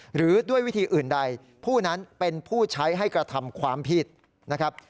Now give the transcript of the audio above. หรือด้วยวิธีอื่นใดผู้นั้นเป็นผู้ใช้ให้กระทำความผิดนะครับ